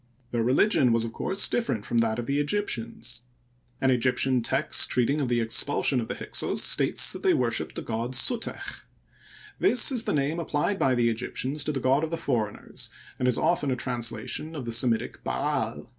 Their religion was of course different from that of the Egyptians. An Egyptian text treating of the expulsion of the Hyksos states that they worshiped the god Suteck. This is the name applied by the Egyptians to the god of the foreigners, and is often a translation of the Semitic Ba*al.